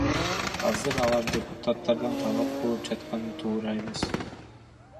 Азыр алар депутаттардан талап кылып жатканы туура эмес.